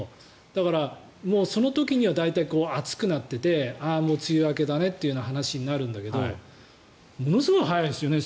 だから、その時には大体、暑くなっていてああ、もう梅雨明けだねって話になるんだけどものすごい早いですよね